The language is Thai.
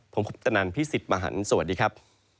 ผมคุปตนันพี่สิทธิ์มหันฯสวัสดีครับ